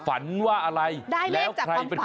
ฝันว่าอะไรแล้วใครเป็นคน